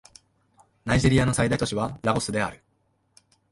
ナイジェリアの最大都市はラゴスである